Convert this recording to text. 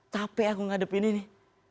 capek aku ngadepin ini